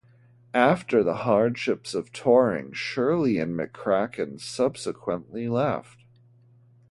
After the hardships of touring, Shirley and McCracken subsequently left.